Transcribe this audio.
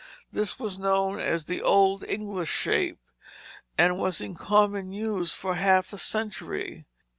This was known as the old English shape, and was in common use for half a century.